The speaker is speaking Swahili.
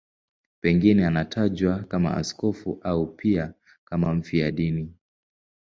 Pengine anatajwa kama askofu au pia kama mfiadini.